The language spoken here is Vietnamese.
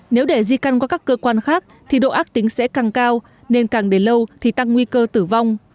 nếu để di căn qua các cơ quan khác thì độ ác tính sẽ càng cao nên càng đến lâu thì tăng nguy cơ tử vong